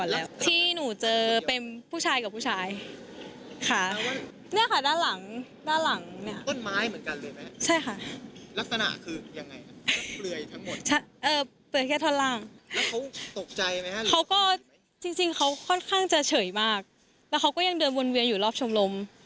แล้วเขาก็ยังเดินเวินเวียนอยู่รอบชมรม